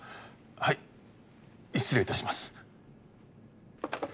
はい失礼いたします。